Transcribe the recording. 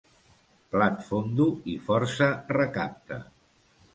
Plat fondo i força recapte.